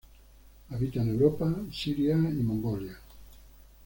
Habita en Europa, Siria y Mongolia.